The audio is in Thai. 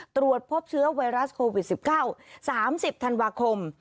ตรวจพบเชื้อไวรัสโควิดสิบเก้าสามสิบธันวาคม